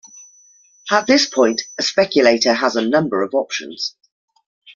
At this point, a speculator has a number of options.